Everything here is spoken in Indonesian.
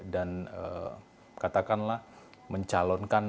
dan katakanlah mencalonkan